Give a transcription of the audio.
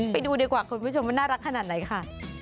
ไปดูดีกว่าคุณผู้ชมว่าน่ารักขนาดไหนค่ะ